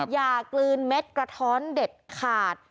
อย่ากลืนเม็ดกระท้อนเด็ดขาด